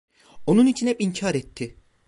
Onun için hep inkar etti.